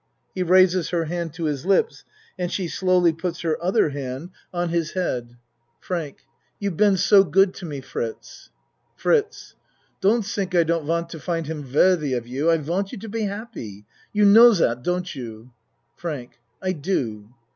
(He raises her hand to his lips and she slowly puts her other hand on his 90 A MAN'S WORLD head.) FRANK You you've been so good to me, Fritz. FRITZ Don't tink I don't want to find him worthy of you I want you to be happy. You know dot, don't you? FRANK I do.